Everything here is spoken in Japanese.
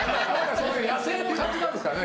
野性の感じなんですかね。